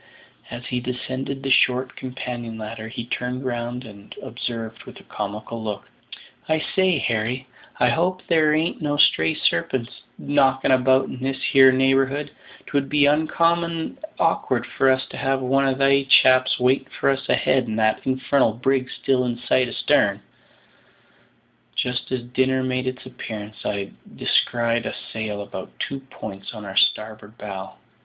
As he descended the short companion ladder he turned round and observed with a comical look, "I say, Harry, I hope there ain't no stray sarpents knocking about in this here neighbourhood; 'twould be uncommon awk'ard for us to have one of they chaps waiting for us ahead and that infarnal brig still in sight astarn." Just as dinner made its appearance I descried a sail about two points on our starboard bow.